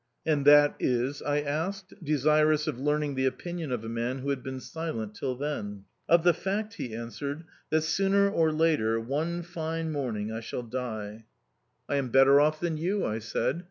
"And that is ?" I asked, desirous of learning the opinion of a man who had been silent till then. "Of the fact," he answered, "that sooner or later, one fine morning, I shall die." "I am better off than you," I said.